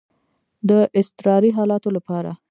د اضطراري حالاتو لپاره.